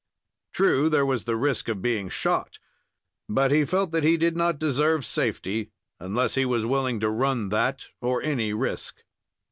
True, there was the risk of being shot, but he felt that he did not deserve safety unless he was willing to run that or any risk.